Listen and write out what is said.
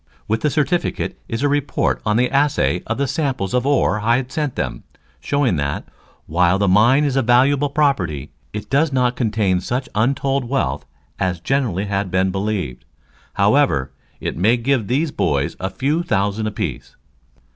With the certificate is a report on the assay of the samples of ore I sent them, showing that, while the mine is a valuable property, it does not contain such untold wealth as generally has been believed. However, it may give these boys a few thousands apiece."